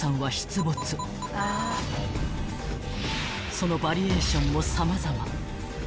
［そのバリエーションも様々］